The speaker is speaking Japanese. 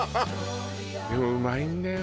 でもうまいんだよ